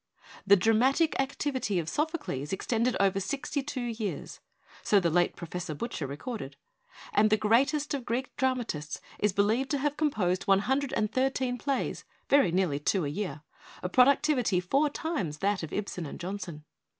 "The dramatic activity of Sophocles extended over sixty two years," so the late Professor Butcher recorded; and the great est of Greek dramatists is believed to have com posed one hundred and thirteen plays very nearly two a year, a productivity four times that of Ibsen and Jonson.